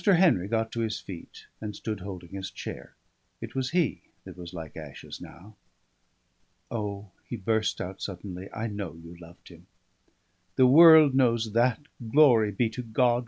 Henry got to his feet, and stood holding his chair. It was he that was like ashes now. "O!" he burst out suddenly, "I know you loved him." "The world knows that, glory be to God!"